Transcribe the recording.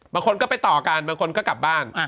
บางคนก็ไปต่อกันบางคนก็กลับบ้าน